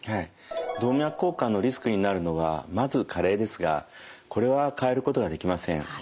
動脈硬化のリスクになるのはまず加齢ですがこれは変えることができません。